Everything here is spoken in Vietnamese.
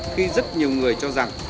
khi rất nhiều người cho rằng